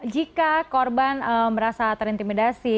jika korban merasa terintimidasi